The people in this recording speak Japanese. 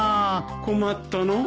・困ったのお。